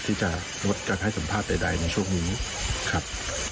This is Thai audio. ที่จะงดการให้สัมภาษณ์ใดในช่วงนี้ครับ